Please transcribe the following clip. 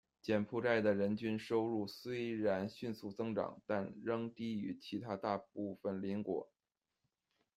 柬埔寨的人均收入虽然迅速增长，但仍低于其的大部分邻国。